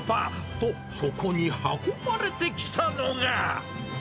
と、そこに運ばれてきたのが。